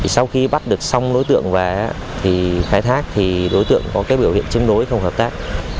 sau khi bắt được xong đối tượng và khai thác thì đối tượng có biểu hiện chân đối không hợp tác